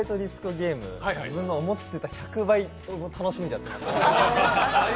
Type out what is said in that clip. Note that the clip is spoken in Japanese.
ゲーム自分の思ってた１００杯楽しんじゃって。